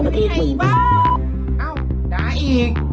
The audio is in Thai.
ไม่รู้ว่าก็ไม่ออกได้